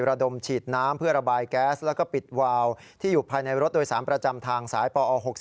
ระดมฉีดน้ำเพื่อระบายแก๊สแล้วก็ปิดวาวที่อยู่ภายในรถโดยสารประจำทางสายปอ๖๔